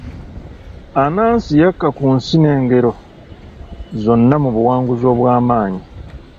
Anansi yakka ku nsi n'engero zonna mu buwanguzi obw'amaanyi.